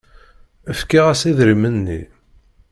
Fkiɣ-as idrimen-nni.